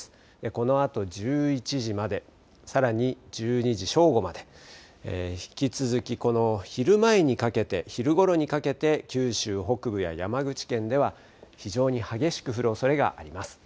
このあと１１時まで、さらに１２時、正午まで引き続きこの昼前にかけて、昼ごろにかけて九州北部や山口県では、非常に激しく降るおそれがあります。